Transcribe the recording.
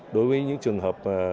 đối với những trường hợp